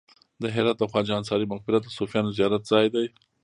د هرات د خواجه انصاري مقبره د صوفیانو زیارت ځای دی